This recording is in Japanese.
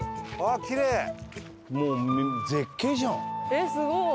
えっすごい！